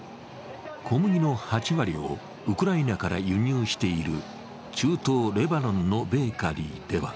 小麦の８割をウクライナから輸入している中東レバノンのベーカリーでは